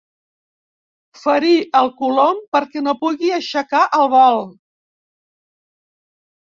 Ferir el colom perquè no pugui aixecar el vol.